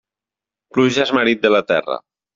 Pluja és marit de la terra.